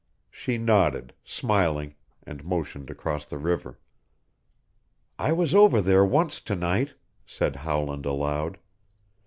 She nodded, smiling, and motioned across the river. "I was over there once to night," said Howland aloud.